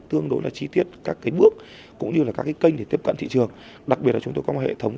tương đối là chi tiết các bước cũng như là các cái kênh để tiếp cận thị trường đặc biệt là chúng tôi có một hệ thống